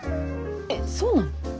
えっそうなの？